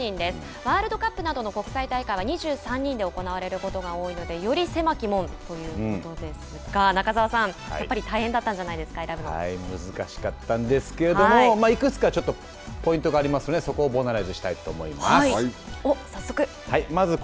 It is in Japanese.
ワールドカップなどの国際大会は２３人で行われることが多いのでより狭き門ということですが中澤さん、やっぱり大変だったんじゃないですかはい難しかったんですけれどもいくつかポイントがありますのでそこをボナライズしたいと早速。